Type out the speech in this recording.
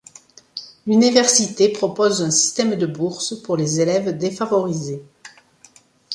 L'université propose un système de bourse pour les élèves défavorisés.